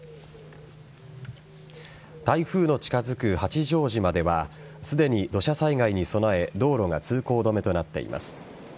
台風の近づく八丈島ではすでに土砂災害に備え道路が通行止めとなっています。